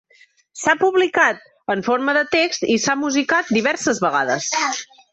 S'ha publicat en forma de text i s'ha musicat diverses vegades.